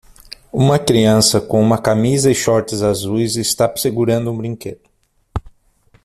Uma criança com uma camisa e shorts azuis está segurando um brinquedo.